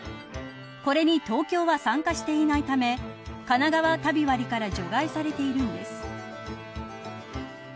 これに東京は参加していないためかながわ旅割から除外されているんです。